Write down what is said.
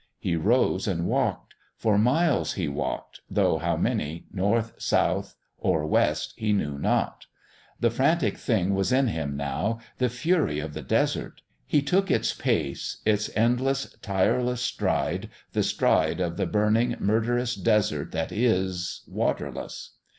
He rose and walked; for miles he walked, though how many, north, south, or west, he knew not. The frantic thing was in him now, the fury of the Desert; he took its pace, its endless, tireless stride, the stride of the burning, murderous Desert that is waterless.